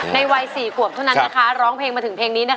ในวัย๔กว่ำเท่านั้นร้องเพลงมาถึงเพลงนี้